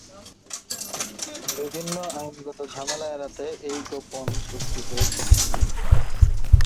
বিভিন্ন আইনগত ঝামেলা এড়াতে এই গোপন চুক্তি হয়েছিল।